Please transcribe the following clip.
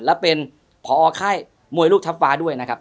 และเป็นพอค่ายมวยลูกทัพฟ้าด้วยนะครับ